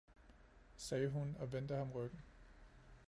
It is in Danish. sagde hun og vendte ham ryggen.